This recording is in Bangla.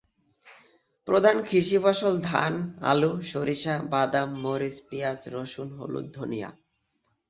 প্রধান কৃষি ফসল ধান, আলু, সরিষা, বাদাম, মরিচ, পিয়াজ, রসুন, হলুদ, ধনিয়া।